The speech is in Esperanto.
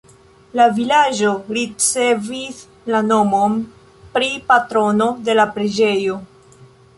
La vilaĝo ricevis la nomon pri patrono de la preĝejo.